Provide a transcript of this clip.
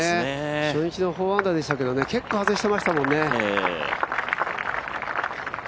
初日４アンダーでしたけど、結構外してましたもんね。